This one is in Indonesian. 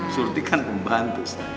surti kan pembantu